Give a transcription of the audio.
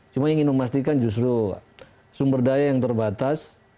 cuma ingin memastikan justru sumber daya yang terbatas